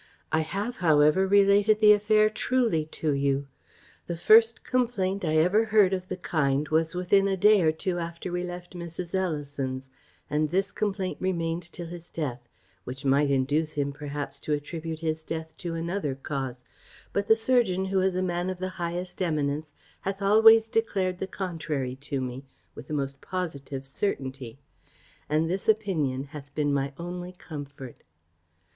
"I have, however, related the affair truly to you. The first complaint I ever heard of the kind was within a day or two after we left Mrs. Ellison's; and this complaint remained till his death, which might induce him perhaps to attribute his death to another cause; but the surgeon, who is a man of the highest eminence, hath always declared the contrary to me, with the most positive certainty; and this opinion hath been my only comfort.